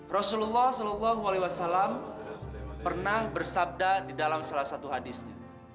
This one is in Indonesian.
rasulullah saw pernah bersabda di dalam salah satu hadisnya